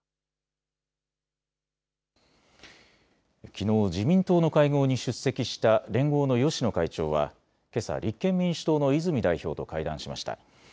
きのう自民党の会合に出席した連合の芳野会長はけさ、立憲民主党の泉代表と会談しました。